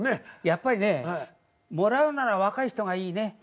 やっぱりねもらうなら若い人がいいね。